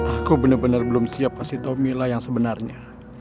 aku benar benar belum siap kasih tau mila yang sebenarnya